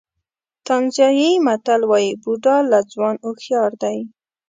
تانزانیايي متل وایي بوډا له ځوان هوښیار دی.